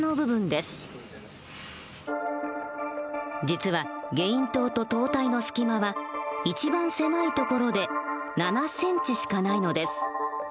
実はゲイン塔と塔体の隙間は一番狭い所で７ｃｍしかないのです。